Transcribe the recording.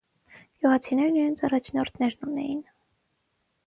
Գյուղացիներն իրենց առաջնորդներն ունեին։